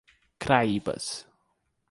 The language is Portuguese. Craíbas